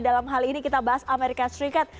dalam hal ini kita bahas amerika serikat